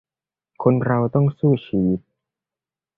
คนเราต้องสู้ชีวิต